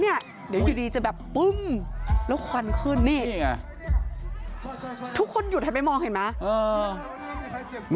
เดี๋ยวอยู่ดีจะแบบปึ้มแล้วควันขึ้นนี่ไงทุกคนหยุดหันไปมองเห็นไหม